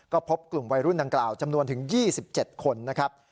ก็พบกลุ่มวัยรุ่นดังกล่าวจำนวนถึง๒๗คนนะครับ